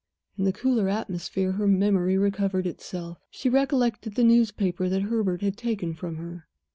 In the cooler atmosphere her memory recovered itself; she recollected the newspaper, that Herbert had taken from her.